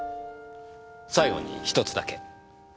最後に１つだけ。